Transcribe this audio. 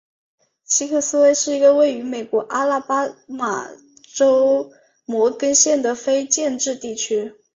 西克斯威是一个位于美国阿拉巴马州摩根县的非建制地区。